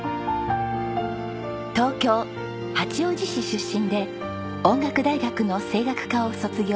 東京八王子市出身で音楽大学の声楽科を卒業した聰さん。